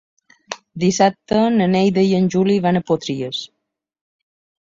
Dissabte na Neida i en Juli van a Potries.